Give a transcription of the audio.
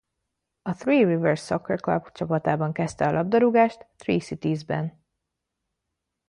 A Three-Rivers Soccer Club csapatában kezdte a labdarúgást Three-Cities-ben.